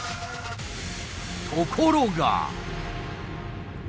ところが。